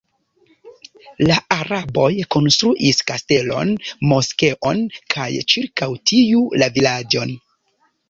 La araboj konstruis kastelon, moskeon kaj ĉirkaŭ tiu la vilaĝon.